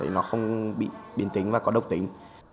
nó không bị biến tính và có độc tính